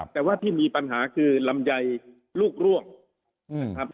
แต่ว่าที่มีปัญหาคือลำไยลูกร่วงนะครับ